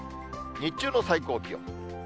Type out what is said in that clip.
日中の最高気温。